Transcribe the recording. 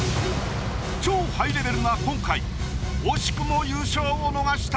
超ハイレベルな今回惜しくも優勝を逃した。